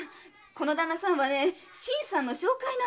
この旦那さんは新さんの紹介なんだよ。